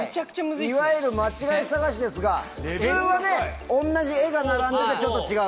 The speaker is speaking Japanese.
いわゆる間違い探しですが普通は同じ絵が並んでてちょっと違う。